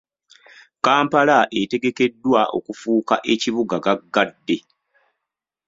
Kampala etegekeddwa okufuuka ekibuga gaggadde.